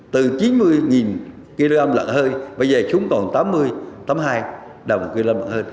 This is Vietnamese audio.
từ chín mươi kg lợn hơi bây giờ chúng còn tám mươi tám mươi hai đồng kg lợn hơi